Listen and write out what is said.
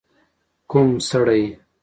ک و م سړی؟